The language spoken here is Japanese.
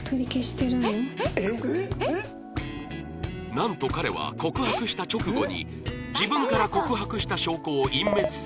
なんと彼は告白した直後に自分から告白した証拠を隠滅するためなのか